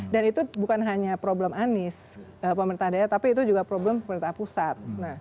dan itu bukan hanya problem anies pemerintah daya tapi itu juga problem pemerintah pusat